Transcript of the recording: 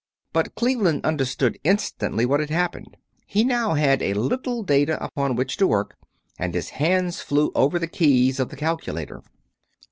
But Cleveland understood instantly what had happened. He now had a little data upon which to work, and his hands flew over the keys of the calculator.